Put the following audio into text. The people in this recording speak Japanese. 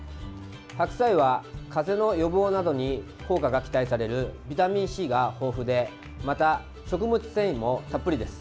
白菜は風邪の予防などに効果が期待されるビタミンＣが豊富でまた食物繊維もたっぷりです。